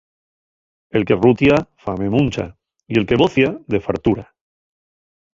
El que rutia, fame muncha; y el que bocia, de fartura.